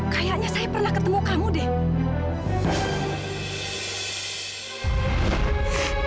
kayaknya saya pernah ketemu kamu deh